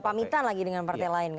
pamitan lagi dengan partai lain